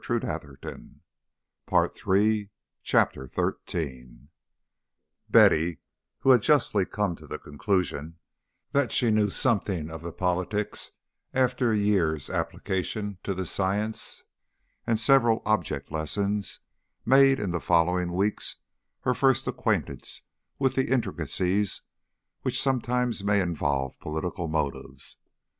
And then she went home to her boudoir. XIII Betty, who had come justly to the conclusion that she knew something of politics after a year's application to the science and several object lessons, made in the following weeks her first acquaintance with the intricacies which sometimes may involve political motives.